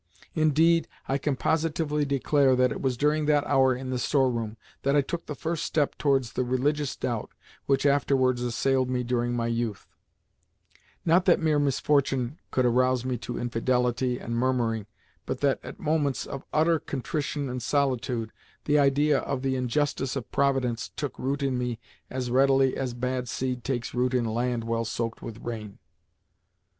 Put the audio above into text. Indeed, I can positively declare that it was during that hour in the store room that I took the first step towards the religious doubt which afterwards assailed me during my youth (not that mere misfortune could arouse me to infidelity and murmuring, but that, at moments of utter contrition and solitude, the idea of the injustice of Providence took root in me as readily as bad seed takes root in land well soaked with rain).